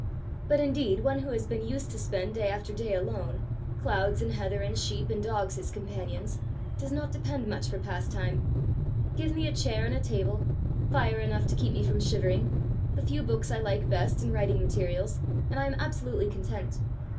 But indeed one who has been used to spend day after day alone, clouds and heather and sheep and dogs his companions, does not depend on much for pastime. Give me a chair and a table, fire enough to keep me from shivering, the few books I like best and writing materials, and I am absolutely content.